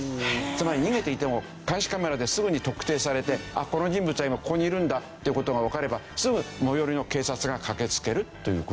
つまり逃げていても監視カメラですぐに特定されてこの人物は今ここにいるんだっていう事がわかればすぐ最寄りの警察が駆け付けるという事ですよね。